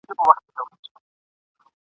جهاني فال مي کتلی هغه ورځ به لیري نه وي ..